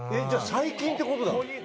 じゃあ最近って事だ。